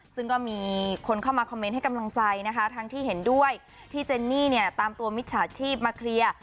ซึ่งก็มีคนเข้ามาคอมเมนต์ให้กำลังใจนะคะทั้งที่เห็นด้วยที่เจนนี่เนี่ยตามตัวมิจฉาชีพมาเคลียร์